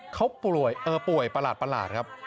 เขาป่วยเออป่วยประหลาดครับ